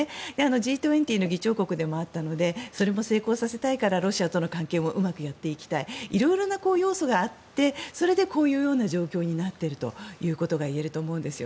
Ｇ２０の議長国でもあったのでそれも成功させたいのでロシアとの関係もうまくやっていきたい色んな要素があってそれでこういう状況になっているということが言えると思います。